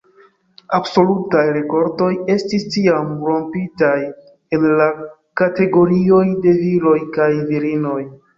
Absolutaj rekordoj estis tiam rompitaj en la kategorioj de viroj kaj virinoj.